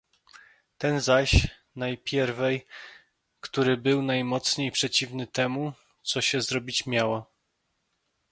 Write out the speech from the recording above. "Ten zaś najpierwej, który był najmocniej Przeciwny temu, co się zrobić miało."